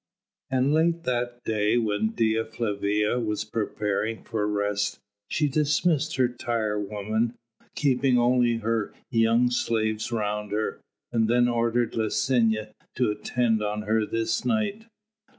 And late that day when Dea Flavia was preparing for rest she dismissed her tire women, keeping only her young slaves around her, and then ordered Licinia to attend on her this night.